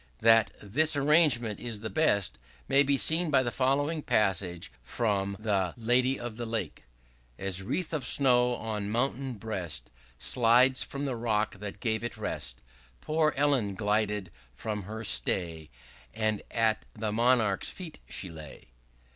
That this arrangement is the best, may be seen in the following passage from the 'Lady of the Lake'; "As wreath of snow, on mountain breast, Slides from the rock that gave it rest, Poor Ellen glided from her stay, And at the monarch's feet she lay."